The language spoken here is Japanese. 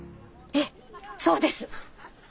ええそうです。